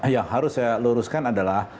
yang harus saya luruskan adalah